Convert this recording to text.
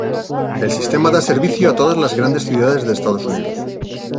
El Sistema da servicio a todas las grandes ciudades de Estados Unidos.